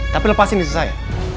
tapi lepasin disini saya